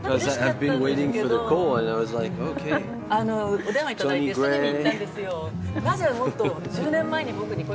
お電話いただいて、すぐになんですよ。